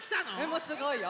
もうすごいよ！